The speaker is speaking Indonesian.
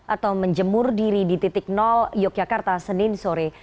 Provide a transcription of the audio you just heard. atau menjemur diri di titik yogyakarta senin sore